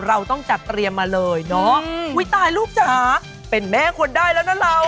เราต้องจัดเตรียมมาเลยเนาะอุ้ยตายลูกจ๋าเป็นแม่คนได้แล้วนะเรา